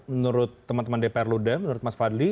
menurut teman teman dpr lude menurut mas fadli